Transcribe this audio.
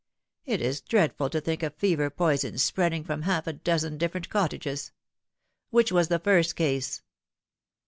It is dreadful to think of fever poison spreading from half a dozen different cottages. Which was the first case